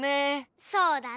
そうだね。